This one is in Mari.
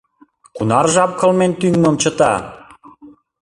Кунар жап кылмен тӱҥмым чыта?